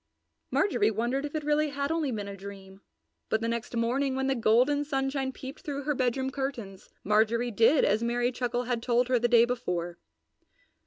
Marjorie wondered if it really had only been a dream, but the next morning when the golden sunshine peeped through her bedroom curtains, Marjorie did as Merry Chuckle had told her the day before.